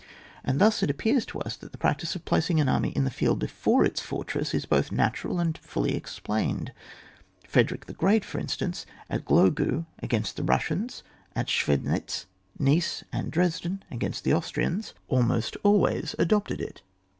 And thus it appears to us that the practice of placing an army in the field before its fortress, is both natural and fully explained. Frederick the Great, for instance, at Glogau, against the Bussians, at Schwednitz, Neiss, and Dresden, against the Austrians, almost 196 ON WAR. [book VI. always adopted it.